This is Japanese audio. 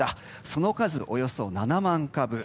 その数およそ７万株。